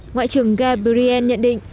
ngoại trưởng gabriel nhận định